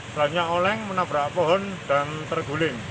selanjutnya oleng menabrak pohon dan terguling